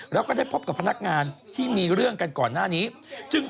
แล้วก็ได้พบกับพนักงานที่มีเรื่องกันก่อนหน้านี้จึง